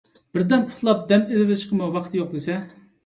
بىردەم ئۇخلاپ دەم ئېلىۋېلىشقىمۇ ۋاقىت يوق دېسە.